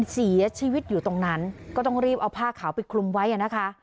เสียชีวิตอยู่ตรงนั้นก็ต้องรีบเอาผ้าขาวไปคลุมไว้นะคะ